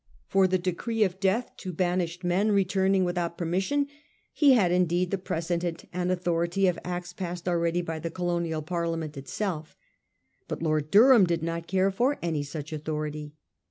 For the decree of death to banished men returning without permission, he had indeed the precedent and autho rity of acts passed already by the colonial Parlia ment itself ; but Lord Durham did not care for any such authority.